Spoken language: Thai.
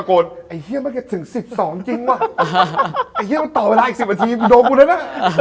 อะไรอย่างนี้ตอนนั้นนะ